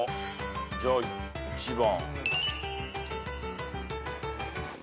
じゃあ１番。